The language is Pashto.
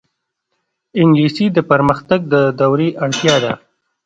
انګلیسي د پرمختګ د دورې اړتیا ده